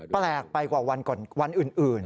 แปลกไปกว่าวันอื่น